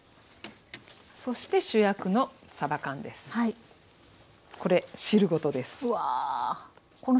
そして主役のさば缶です。